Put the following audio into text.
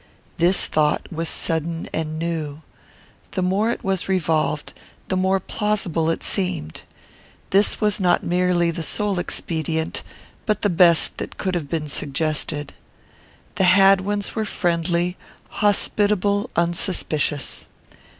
This thought was sudden and new. The more it was revolved, the more plausible it seemed. This was not merely the sole expedient, but the best that could have been suggested. The Hadwins were friendly, hospitable, unsuspicious.